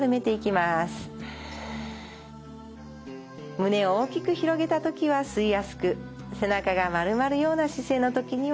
胸を大きく広げた時は吸いやすく背中がまるまるような姿勢の時には吐きやすい。